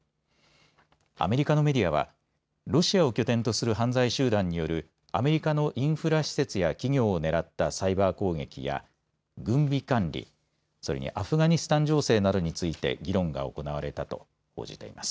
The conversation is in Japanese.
アメリカのメディアはロシアを拠点とする犯罪集団によるアメリカのインフラ施設や企業を狙ったサイバー攻撃や軍備管理、それにアフガニスタン情勢などについて議論が行われたと報じています。